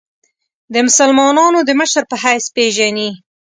د مسلمانانو د مشر په حیث پېژني.